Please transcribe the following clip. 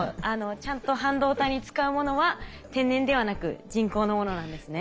ちゃんと半導体に使うものは天然ではなく人工のものなんですね。